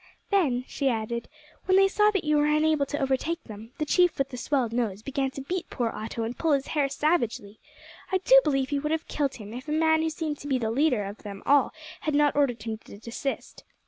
"Then," she added, "when they saw that you were unable to overtake them, the chief with the swelled nose began to beat poor Otto and pull his hair savagely. I do believe he would have killed him if a man, who seemed to be the leader of them all, had not ordered him to desist.